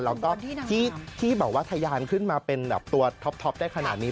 แล้วก็ที่บอกว่าทะยานขึ้นมาเป็นแบบตัวท็อปได้ขนาดนี้